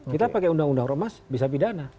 kita pakai undang undang ormas bisa pidana